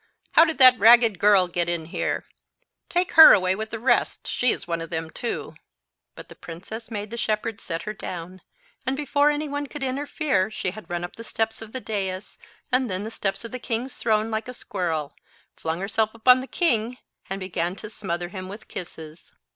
"How did that ragged girl get in here? Take her away with the rest. She is one of them, too." But the princess made the shepherd set her down, and before any one could interfere she had run up the steps of the dais and then the steps of the king's throne like a squirrel, flung herself upon the king, and begun to smother him with kisses.